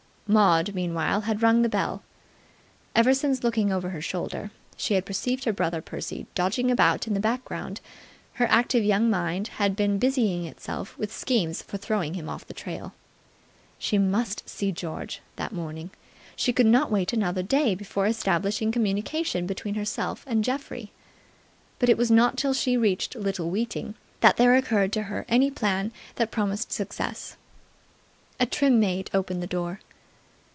Maud, meanwhile, had rung the bell. Ever since, looking over her shoulder, she had perceived her brother Percy dodging about in the background, her active young mind had been busying itself with schemes for throwing him off the trail. She must see George that morning. She could not wait another day before establishing communication between herself and Geoffrey. But it was not till she reached Little Weeting that there occurred to her any plan that promised success. A trim maid opened the door.